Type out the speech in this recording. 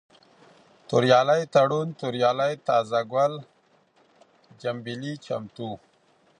توريال ، تړون ، توريالی ، تازه گل ، چمبېلى ، چمتو